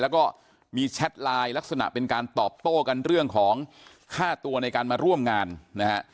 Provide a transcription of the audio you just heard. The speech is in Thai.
แล้วก็มีแชทไลน์ลักษณะเป็นการตอบโต้กันเรื่องของค่าตัวในการมาร่วมงานนะฮะ